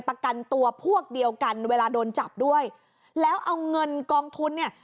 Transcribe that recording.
ประกันตัวพวกเดียวกันเวลาโดนจับด้วยแล้วเอาเงินกองทุนเนี่ย